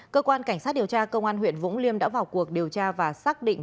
cơ quan cảnh sát điều tra công an huyện vũng liêm đã vào cuộc điều tra và xác định